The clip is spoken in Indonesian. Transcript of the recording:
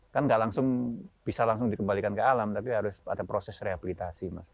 kan nggak langsung bisa langsung dikembalikan ke alam tapi harus ada proses rehabilitasi mas